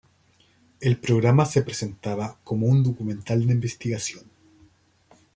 El programa se presentaba como un documental de investigación.